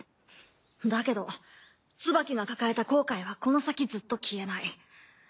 だけどツバキが抱えた後悔はこの先ずっと消えない。